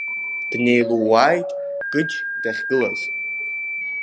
Днеилууааит Гыџь дахьгылаз.